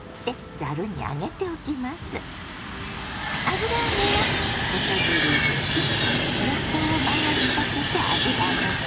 油揚げは細切りにし熱湯を回しかけて油抜き。